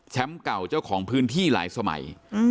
เก่าเจ้าของพื้นที่หลายสมัย